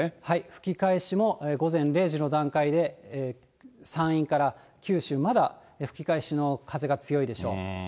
吹き返しも午前０時の段階で、山陰から九州、まだ吹き返しの風が強いでしょう。